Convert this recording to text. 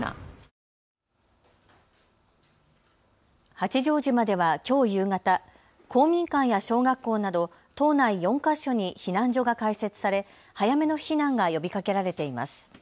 八丈島ではきょう夕方、公民館や小学校など島内４か所に避難所が開設され早めの避難が呼びかけられています。